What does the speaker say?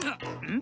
ん？